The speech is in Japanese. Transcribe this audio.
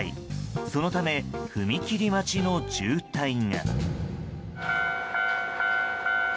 そのため、踏切待ちの渋滞が。